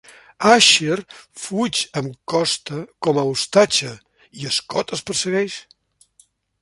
Asher fuig amb Costa com a ostatge i Scott els persegueix.